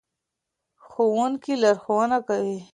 ښوونکي لارښوونه کوي.